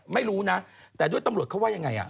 ไม่รู้นะแต่ด้วยตำรวจเขาว่ายังไง